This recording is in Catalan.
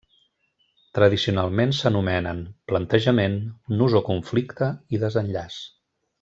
Tradicionalment s'anomenen: plantejament, nus o conflicte i desenllaç.